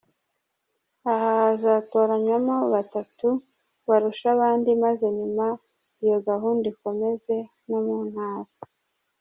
Aha hazatoranywamo batatu barusha abandi maze nyuma iyo gahunda ikomereze no mu Ntara.